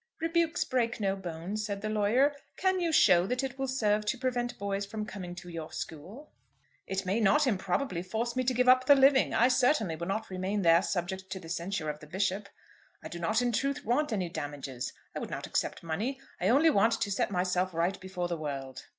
"Rebukes break no bones," said the lawyer. "Can you show that it will serve to prevent boys from coming to your school?" "It may not improbably force me to give up the living. I certainly will not remain there subject to the censure of the Bishop. I do not in truth want any damages. I would not accept money. I only want to set myself right before the world."